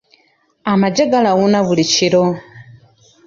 Amagye galawuna buli kiro.